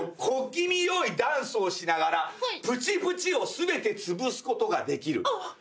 小気味よいダンスをしながらプチプチを全てつぶすことができる。